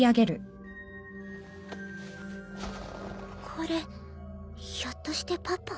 これひょっとしてパパ？